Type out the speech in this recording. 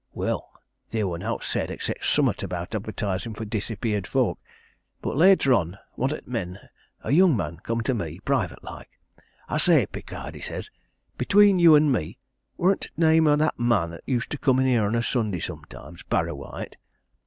Well, theer wor nowt said, except summat about advertisin' for disappeared folk, but later on, one o' t' men, a young man, come to me, private like. 'I say, Pickard,' he says, 'between you an' me, worrn't t' name o' that man 'at used to come in here on a Sunday sometimes, Parrawhite?